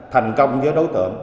thành công với đối tượng